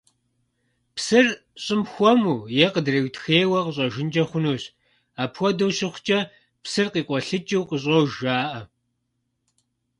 Псыр щӀым хуэму е къыдриутхейуэ къыщӀэжынкӀэ хъунущ, апхуэдэу щыхъукӀэ «Псыр къикъуэлъыкӀыу къыщӀож» жаӀэ.